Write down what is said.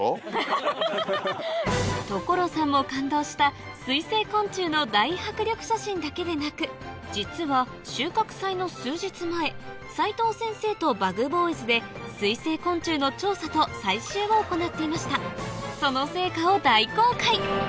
所さんも感動した水生昆虫の大迫力写真だけでなく実は収穫祭の斉藤先生とＢｕｇＢｏｙｓで水生昆虫の調査と採集を行っていましたその成果を大公開！